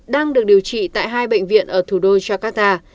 đang được điều trị tại hai bệnh viện ở thủ đô jakarta